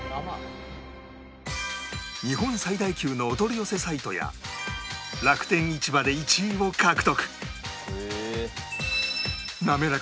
日本最大級のお取り寄せサイトや楽天市場で１位を獲得